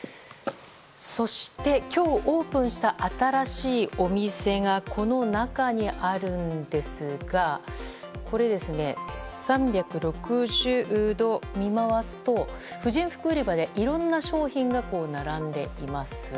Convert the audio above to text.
そして、今日オープンした新しいお店がこの中にあるんですがこれ、３６０度見回すと婦人服売り場でいろんな商品が並んでいます。